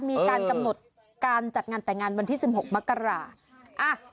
มีการกำหนดการจัดงานแต่งงานวันที่๑๖มกรา